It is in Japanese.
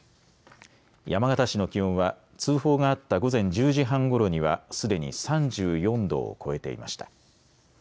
山形市の気温は通報があった午前１０時半ごろにはすでに３４度を超えていました。